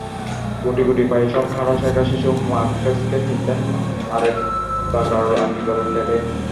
গুটি গুটি পায়ে সবে হাঁটা শেখা শিশু মার্কেসকে চিনতেন আরাকাতাকার আনিবাল ক্যালে।